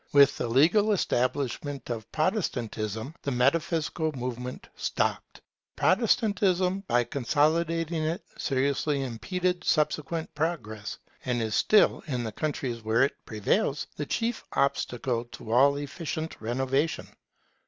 With the legal establishment of Protestantism, the metaphysical movement stopped. Protestantism, by consolidating it, seriously impeded subsequent progress, and is still, in the countries where it prevails, the chief obstacle to all efficient renovation.